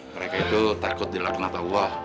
mereka itu takut dilakukan ato allah